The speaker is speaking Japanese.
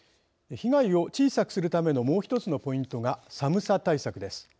被害を小さくするためのもうひとつのポイントが寒さ対策です。